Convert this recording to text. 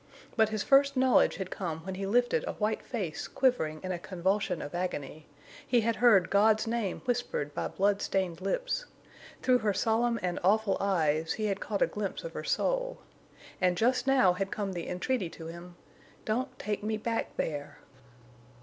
But his first knowledge had come when he lifted a white face quivering in a convulsion of agony; he had heard God's name whispered by blood stained lips; through her solemn and awful eyes he had caught a glimpse of her soul. And just now had come the entreaty to him, "Don't—take—me—back—there!"